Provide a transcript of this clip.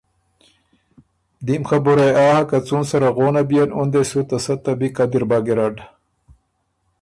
دیم خبُره يې آ هۀ که څُون سره غونه بيېن اُن دې سُو ته سۀ ته بی قدِر بَۀ ګیرډ